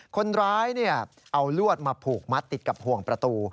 คนร้ายเอารถจักรยานยนต์มาผูกมัดติดกับห่วงประตู